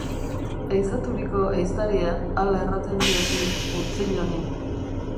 Ehizaturiko ehiztaria, hala erraten diot nik purtzil honi.